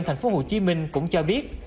thành phố hồ chí minh cũng cho biết